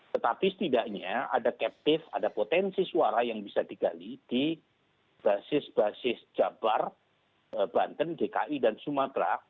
tetapi setidaknya ada captive ada potensi suara yang bisa digali di basis basis jabar banten dki dan sumatera